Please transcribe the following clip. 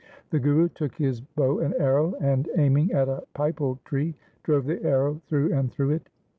The Guru took his bow and arrow and, aiming at a pipal tree, drove the arrow through and through it.